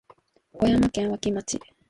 岡山県和気町